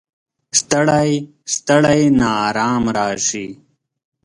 ستړی، ستړی ناارام راشي